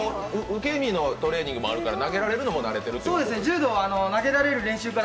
受け身のトレーニングもあるから投げられるのも慣れてるんですか？